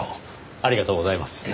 ありがとうございます。